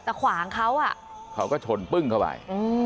ขวางเขาอ่ะเขาก็ชนปึ้งเข้าไป